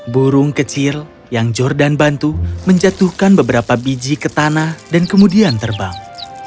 burung kecil yang jordan bantu menjatuhkan beberapa biji ke tanah dan kemudian terbang